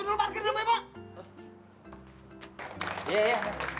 udah parkir dulu be